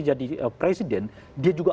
jadi presiden dia juga